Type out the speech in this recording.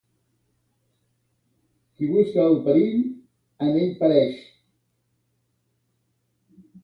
Qui busca el perill, en ell pereix.